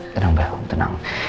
tenang mbak alu tenang